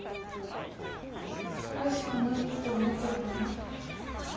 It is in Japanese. これしかないって思ってたのに？